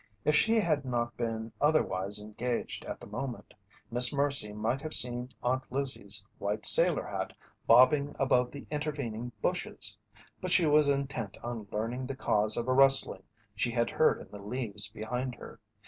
If she had not been otherwise engaged at the moment, Miss Mercy might have seen Aunt Lizzie's white sailor hat bobbing above the intervening bushes, but she was intent on learning the cause of a rustling she had heard in the leaves behind her.